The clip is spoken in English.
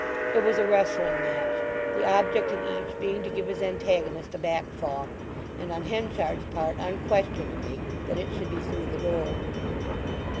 It was a wrestling match, the object of each being to give his antagonist a back fall; and on Henchard's part, unquestionably, that it should be through the door.